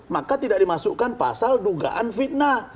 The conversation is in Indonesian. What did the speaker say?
maka tidak dimasukkan pasal dugaan fitnah